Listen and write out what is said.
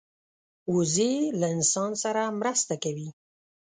وزې له انسان سره مرسته کوي